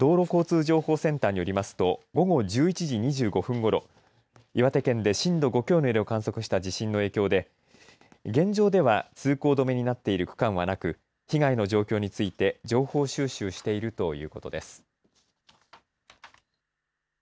日本道路交通情報センターによりますと午後１１時２５分ごろ岩手県で震度５強を観測した地震の影響で現状では通行止めになってる区間はなく被害の状況について情報収集しているということです。